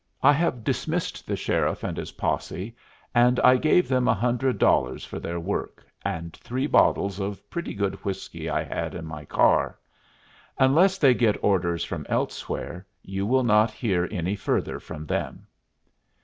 "I have dismissed the sheriff and his posse, and I gave them a hundred dollars for their work, and three bottles of pretty good whiskey I had on my car. Unless they get orders from elsewhere, you will not hear any further from them."